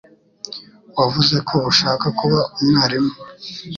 Wavuze ko ushaka kuba umwarimu.